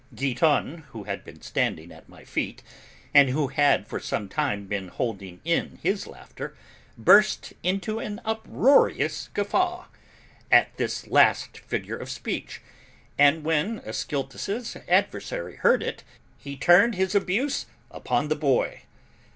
Giton, who had been standing at my feet, and who had for some time been holding in his laughter, burst into an uproarious guffaw, at this last figure of speech, and when Ascyltos' adversary heard it, he turned his abuse upon the boy.